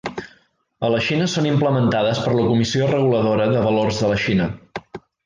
A la Xina són implementades per la Comissió Reguladora de Valors de la Xina.